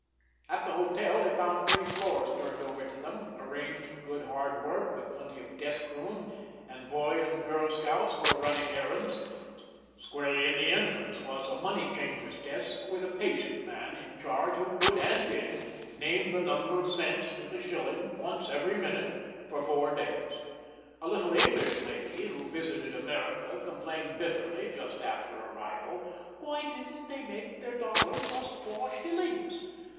At the hotel they found three floors turned over to them, arranged for good, hard work, with plenty of desk room, and boy and girl scouts for running errands. Squarely in the entrance was a money changer's desk, with a patient man in charge who could, and did, name the number of cents to the shilling once every minute for four days. A little English lady who visited America complained bitterly, just after arrival, "Why didn't they make their dollar just four shillings?"